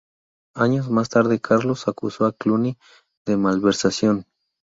Años más tarde, Carlos acusó a Cluny de malversación.